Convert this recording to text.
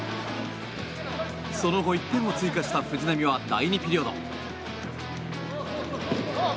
その後、１点を追加した藤波は第２ピリオド。